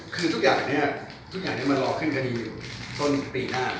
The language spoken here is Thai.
คือทุกอย่างนี้มันรอขึ้นคดีต้นปีหน้า